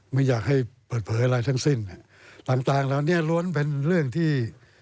ไม่อยากให้เปิดเผยอะไรทั้งสิ้นต่างเหล่านี้ล้วนเป็นเรื่องที่